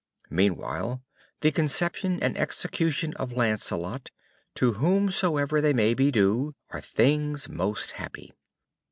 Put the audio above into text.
Meanwhile the conception and execution of Lancelot, to whomsoever they may be due, are things most happy.